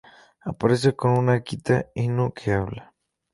Aparece con un Akita Inu que habla.